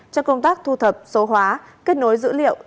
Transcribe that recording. cho công tác thu thập số hóa kết nối dữ liệu